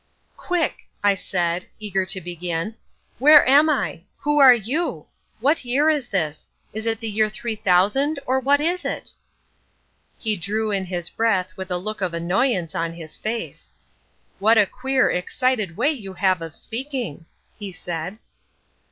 "Quick," I said, eager to begin; "where am I? Who are you? What year is this; is it the year 3000, or what is it?" He drew in his breath with a look of annoyance on his face. "What a queer, excited way you have of speaking," he said.